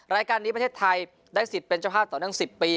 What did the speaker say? รายการนี้ประเทศไทยได้สิทธิ์เป็นเจ้าภาพต่อเนื่อง๑๐ปี